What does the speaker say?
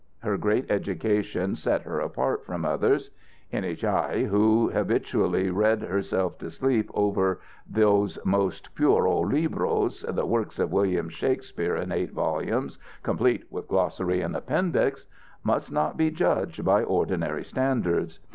Her great education set her apart from others. Any chi who habitually read herself to sleep over those most puro libros, "The Works of William Shakespeare, in Eight Volumes, Complete, with Glossary and Appendix," must not be judged by ordinary standards.